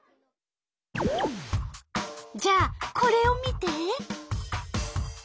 じゃあこれを見て！